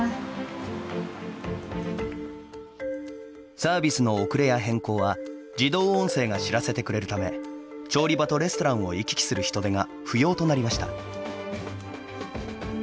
サービスの遅れや変更は自動音声が知らせてくれるため調理場とレストランを行き来する人手が不要となりました。